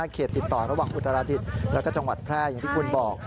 เขตติดต่อระหว่างอุตรดิษฐ์แล้วก็จังหวัดแพร่อย่างที่คุณบอก